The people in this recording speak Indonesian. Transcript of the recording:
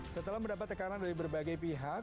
setelah mendapat tekanan dari berbagai pihak